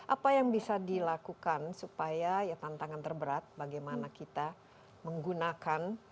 apa yang bisa dilakukan supaya ya tantangan terberat bagaimana kita menggunakan